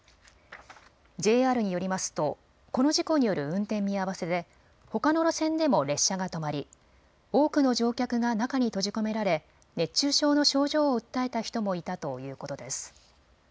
ＪＲによりますとこの事故による運転見合わせでほかの路線でも列車が止まり、多くの乗客が中に閉じ込められ熱中症の症状を訴えた人もいたということです。